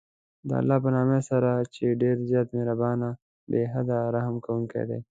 د الله په نامه سره چې ډېر زیات مهربان، بې حده رحم كوونكى دى.